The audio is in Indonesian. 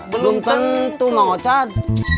belum tentu mang ocat